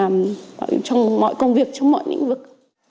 mọi công việc trong mọi lĩnh vực